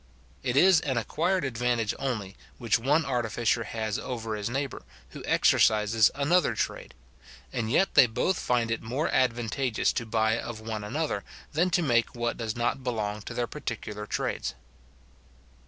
It is an acquired advantage only, which one artificer has over his neighbour, who exercises another trade; and yet they both find it more advantageous to buy of one another, than to make what does not belong to their particular trades.